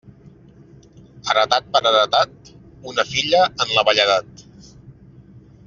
Heretat per heretat, una filla en la velledat.